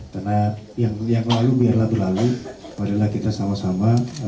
karena yang lalu biarlah berlalu padahal kita sama sama